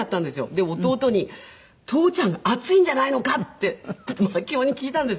で弟に「父ちゃんが熱いんじゃないのか？」って急に聞いたんですよ。